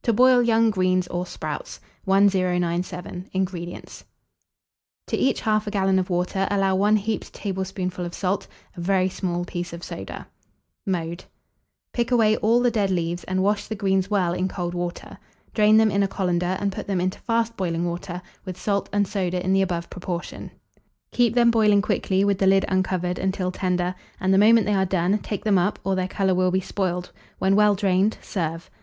TO BOIL YOUNG GREENS OR SPROUTS. 1097. INGREDIENTS. To each 1/2 gallon of water allow 1 heaped tablespoonful of salt; a very small piece of soda. [Illustration: BRUSSELS SPROUTS.] Mode. Pick away all the dead leaves, and wash the greens well in cold water; drain them in a colander, and put them into fast boiling water, with salt and soda in the above proportion. Keep them boiling quickly, with the lid uncovered, until tender; and the moment they are done, take them up, or their colour will be spoiled; when well drained, serve.